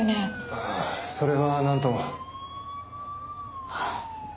ああそれはなんとも。